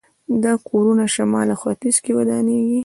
دا کورونه شمال او ختیځ کې ودانېږي.